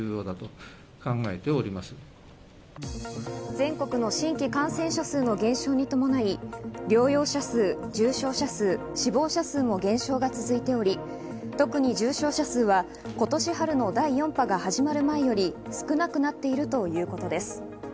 全国の新規感染者数の減少に伴い、療養者数、重症者数、死亡者数も減少が続いており、特に重症者数は今年春の第４波が始まる前より少なくなっているということです。